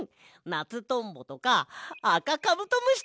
ナツトンボとかあかカブトムシとか！